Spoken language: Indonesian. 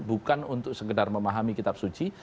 bukan untuk sekedar memahami kitab suci